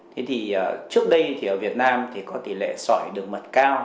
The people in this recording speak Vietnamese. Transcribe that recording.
thế thì trước đây thì ở việt nam thì có tỷ lệ sỏi đường mật cao